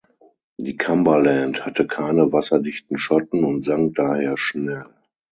Die "Cumberland" hatte keine wasserdichten Schotten und sank daher schnell.